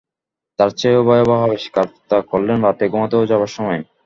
তার চেয়েও ভয়াবহ আবিষ্কারতা করলেন রাতে ঘুমোতে যাবার সময়।